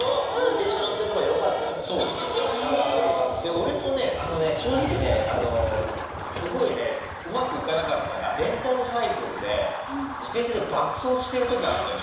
俺もね正直ねすごいねうまくいかなかったらレンタルサイクルで自転車で爆走してる時あるのよ。